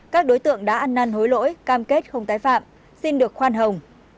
các đối tượng đã ăn năn hối lỗi cam kết không tái phạm xin được khoan hồng